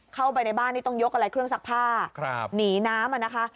เข้าไปในบ้านนี่ต้องยกอะไรเครื่องซักผ้าหนีน้ำอ่ะนะคะ